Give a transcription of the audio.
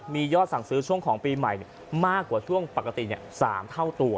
มียอดสั่งซื้อช่วงของปีใหม่มากกว่าช่วงปกติ๓เท่าตัว